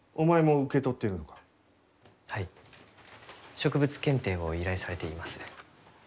植物検定を依頼されています。